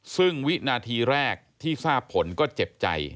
ซึ่งวินาทีแรกที่ทราบผลก็เจ็บใจ